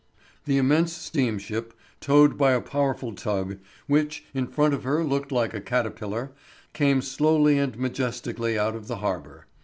The immense steamship, towed by a powerful tug, which, in front of her, looked like a caterpillar, came slowly and majestically out of the harbour.